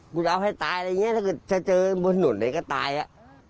กูจะเอาให้ตายอะไรอย่างเงี้ยถ้าเจอบนถนนไหนก็ตายอ่ะ